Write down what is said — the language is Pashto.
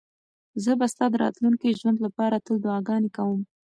زه به ستا د راتلونکي ژوند لپاره تل دعاګانې کوم.